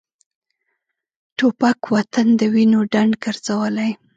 توپک وطن د وینو ډنډ ګرځولی.